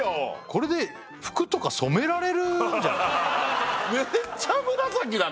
これで服とか染められるんじゃない？